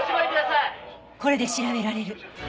これで調べられる。